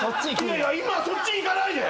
今そっち行かないで！